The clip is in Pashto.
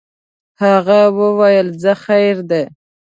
هغه ویل ځه خیر دی.